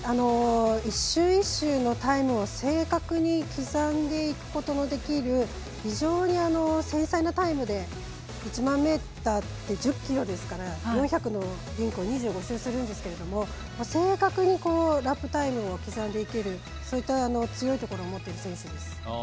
１周１周のタイムを正確に刻んでいくことのできる非常に精細なタイムで１００００ｍって１０ｋｍですから４００ｍのリンクを２５周するんですけれども正確にラップタイムを刻んでいけるそういった強いところを持っている選手です。